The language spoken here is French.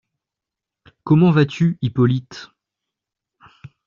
comment vas-tu, Hippolyte?